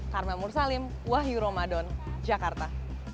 karma mursalim wahyu romadhon jakarta